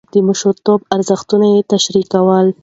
د مشرتابه ارزښتونه يې تشريح کول.